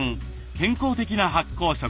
健康的な発酵食。